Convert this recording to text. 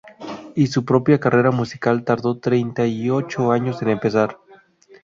Y su propia carrera musical tardó treinta y ocho años en empezar.